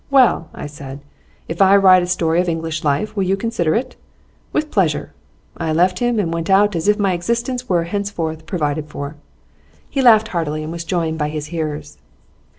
"Well," I said, "if I write a story of English life, will you consider it?" "With pleasure." I left him, and went out as if my existence were henceforth provided for.' He laughed heartily, and was joined by his hearers.